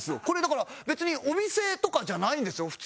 これだから別にお店とかじゃないんですよ。